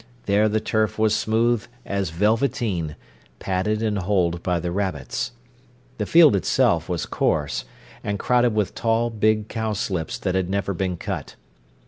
There the turf was smooth as velveteen, padded and holed by the rabbits. The field itself was coarse, and crowded with tall, big cowslips that had never been cut.